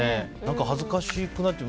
恥ずかしくなっちゃう。